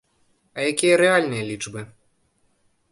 А якія рэальныя лічбы?